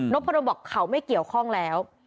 พะดมบอกเขาไม่เกี่ยวข้องแล้ว